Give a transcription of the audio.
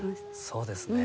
そうですね。